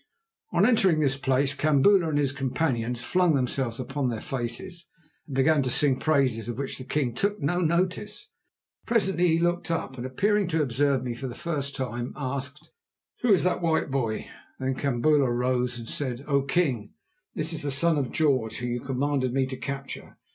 On entering this place Kambula and his companions flung themselves upon their faces and began to sing praises of which the king took no notice. Presently he looked up, and appearing to observe me for the first time asked: "Who is that white boy?" Then Kambula rose and said: "O king, this is the Son of George, whom you commanded me to capture.